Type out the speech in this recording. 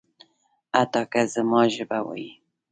حتی که زما ژبه وايي.